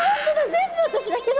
全部私だけど。